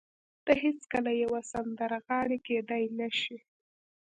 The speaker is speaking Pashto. ته هېڅکله يوه سندرغاړې کېدای نه شې.